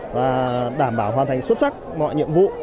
và đảm bảo hoàn thành xuất sắc mọi nhiệm vụ